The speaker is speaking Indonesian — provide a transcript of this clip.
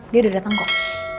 dia udah dateng kok